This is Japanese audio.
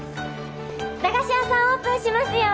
駄菓子屋さんオープンしますよ。